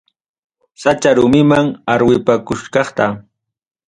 Sacha rumiman arwipakuchkaqta.